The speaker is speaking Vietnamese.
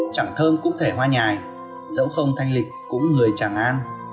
chẳng thơm cũng thể hoa nhài dẫu không thanh lịch cũng người chẳng an